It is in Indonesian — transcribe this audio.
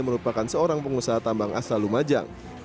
merupakan seorang pengusaha tambang asal lumajang